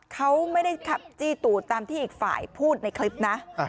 เขาไม่ได้ขับจี้ตูดตามที่อีกฝ่ายพูดในคลิปนะ